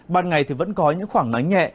ban ngày thì vẫn có những khoảng nắng nhẹ